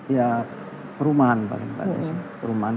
ya perumahan paling baik mbak desi perumahan